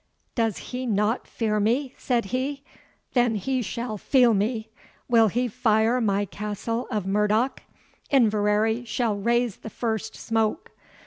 "Does he not fear me?" said he; "then he shall feel me. Will he fire my castle of Murdoch? Inverary shall raise the first smoke.